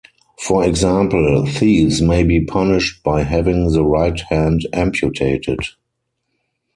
For example, thieves may be punished by having the right hand amputated.